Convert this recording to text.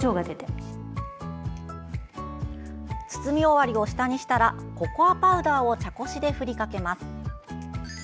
包み終わりを下にしたらココアパウダーを茶こしで振りかけます。